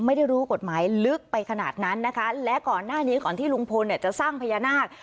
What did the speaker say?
ไม่ได้รู้กฎหมายลึกไปขนาดนั้นนะคะและก่อนหน้านี้ก่อนที่ลุงพลเนี่ยจะสร้างพญานาค